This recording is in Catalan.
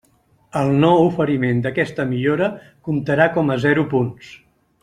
El no oferiment d'aquesta millora comptarà com a zero punts.